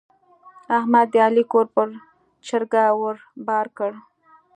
احمد د علي کور پر چرګه ور بار کړ.